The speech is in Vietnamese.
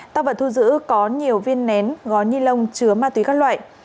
tăng vật thu giữ có nhiều viên nén gó nhi lông chứa ma túy các loại